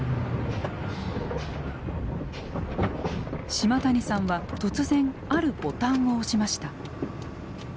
島谷さんは突然あるボタンを押しました。